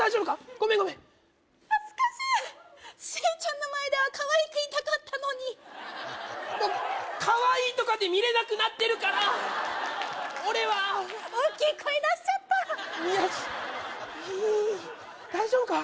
ごめんごめん恥ずかしい周ちゃんの前ではかわいくいたかったのにもうかわいいとかで見れなくなってるから俺は大きい声出しちゃったいや大丈夫か？